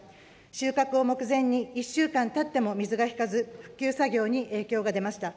収穫を目前に、１週間たっても水が引かず、復旧作業に影響が出ました。